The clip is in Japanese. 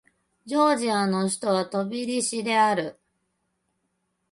ジョージアの首都はトビリシである